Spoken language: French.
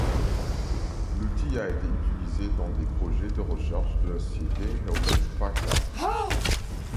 L'outil a été utilisé dans des projets de recherches de la société Hewlett-Packard.